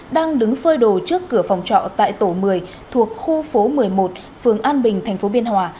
đang đứng phơi đồ trước cửa phòng trọ tại tổ một mươi thuộc khu phố một mươi một phường an bình tp biên hòa